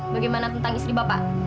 bagaimana tentang istri bapak